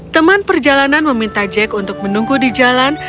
teman perjalanan meminta jack untuk menunggu di jalan